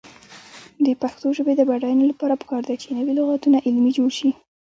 د پښتو ژبې د بډاینې لپاره پکار ده چې نوي لغتونه علمي جوړ شي.